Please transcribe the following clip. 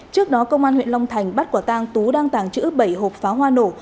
trước đó công an huyện long thành bắt quả tang tú đang tàng trữ bảy hộp phá hoa nộp